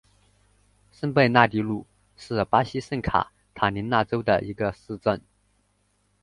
圣贝纳迪努是巴西圣卡塔琳娜州的一个市镇。